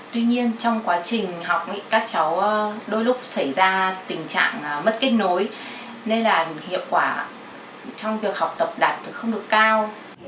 tuy nhiên trong quá trình học các cháu đôi lúc xảy ra tình trạng mất kết nối nên là hiệu quả trong việc học tập đạt được không đủ cao